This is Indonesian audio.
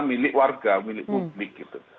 milik warga milik publik gitu